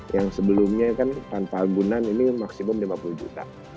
yang sebelumnya kan tanpa agunan ini maksimum lima puluh juta